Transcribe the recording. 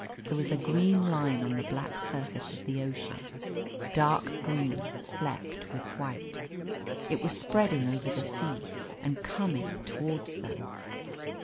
There was a green line on the black surface of the ocean, dark green flecked with white; it was spreading over the sea, and coming towards them.